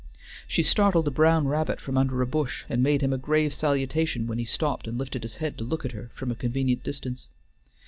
She startled a brown rabbit from under a bush, and made him a grave salutation when he stopped and lifted his head to look at her from a convenient distance.